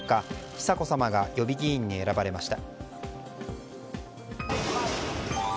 久子さまが予備議員に選ばれました。